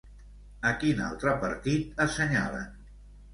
A quin altre partit assenyalen?